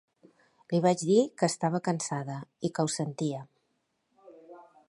Li vaig dir que estava cansada, i que ho sentia.